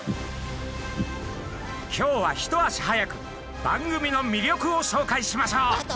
今日は一足早く番組の魅力を紹介しましょう。